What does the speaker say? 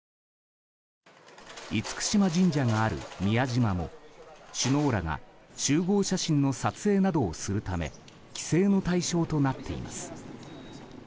厳島神社がある宮島も首脳らが集合写真の撮影などをするため規制の対象となっています。